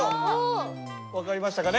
分かりましたかね？